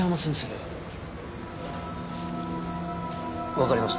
わかりました。